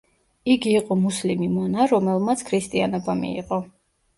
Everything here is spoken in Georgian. იგი იყო მუსლიმი მონა, რომელმაც ქრისტიანობა მიიღო.